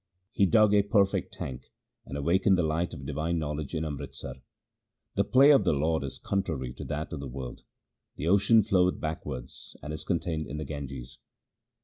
He dug a perfect tank, and awakened the light of divine knowledge in Amritsar. The play of the Lord is contrary to that of the world ; the ocean floweth backwards, and is contained in the Ganges.